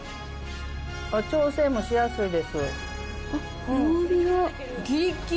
調整もしやすいです。